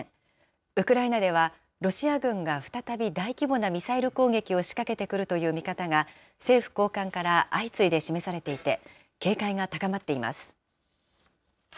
ウクライナでは、ロシア軍が再び大規模なミサイル攻撃を仕掛けてくるという見方が、政府高官から相次いで示されていて、警戒が高まっています。